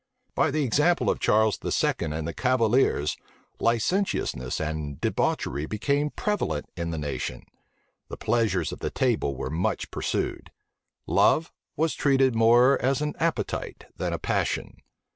By the example of Charles II. and the cavaliers, licentiousness and debauchery became prevalent in the nation. The pleasures of the table were much pursued. Love was treated more as an appetite than a passion.